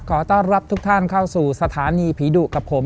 ขอต้อนรับทุกท่านเข้าสู่สถานีผีดุกับผม